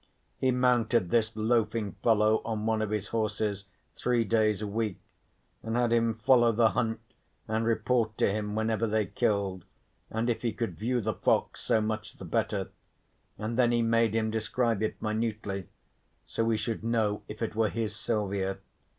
He mounted this loafing fellow on one of his horses three days a week and had him follow the hunt and report to him whenever they killed, and if he could view the fox so much the better, and then he made him describe it minutely, so he should know if it were his Silvia.